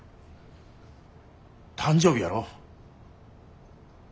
誕生日やろ。